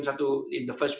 dalam perjalanan pertama